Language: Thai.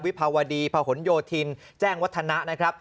ภาวดีพะหนโยธินแจ้งวัฒนะนะครับ